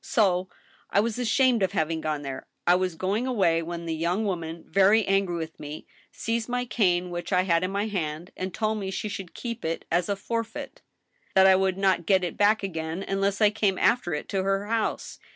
So, ... I was ashamed of having gone there. I was going away, when the young woman, very angry with me, seized my cane, which I had in my hand, and told me she should keep it as a forfeit. That I would not get it back again unless I came after it to her house.